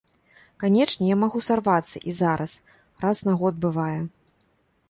Канечне, я магу сарвацца і зараз, раз на год бывае.